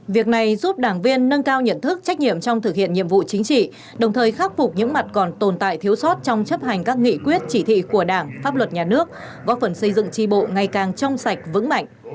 việc này giúp đảng viên nâng cao nhận thức trách nhiệm trong thực hiện nhiệm vụ chính trị đồng thời khắc phục những mặt còn tồn tại thiếu sót trong chấp hành các nghị quyết chỉ thị của đảng pháp luật nhà nước góp phần xây dựng tri bộ ngày càng trong sạch vững mạnh